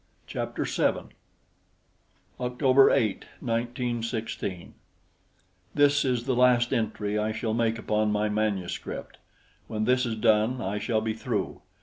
Chapter 7 October 8, 1916: This is the last entry I shall make upon my manuscript. When this is done, I shall be through.